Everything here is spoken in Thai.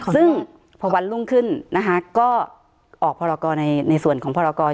ซึ่งขอบรรลุ่งขึ้นก็ออกพรากรในส่วนของพรากร